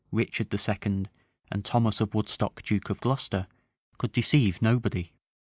Richard II., and Thomas of Woodstock, duke of Glocester, could deceive nobody.